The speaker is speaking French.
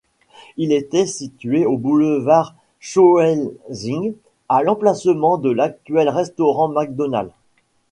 Il était situé au boulevard Schloesing à l'emplacement de l'actuel restaurant McDonald's.